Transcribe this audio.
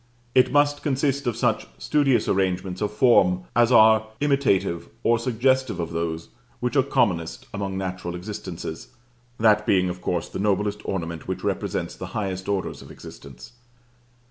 It must consist of such studious arrangements of form as are imitative or suggestive of those which are commonest among natural existences, that being of course the noblest ornament which represents the highest orders of existence.